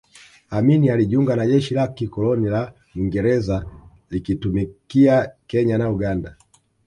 Amin alijiunga na jeshi la kikoloni la Mwingereza likitumikia Kenya na Uganda